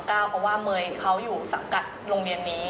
เพราะว่าเมย์เขาอยู่สังกัดโรงเรียนนี้